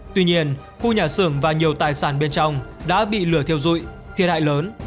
tuy nhiên khu nhà xưởng và nhiều tài sản bên trong đã bị lửa thiêu dụi thiệt hại lớn